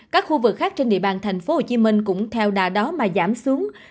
các khu vực khác trên địa bàn tp hcm cũng theo đà đó mà giảm xuống